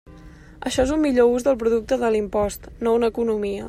Això és un millor ús del producte de l'impost, no una economia.